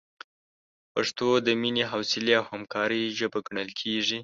پښتو د مینې، حوصلې، او همکارۍ ژبه ګڼل کېږي.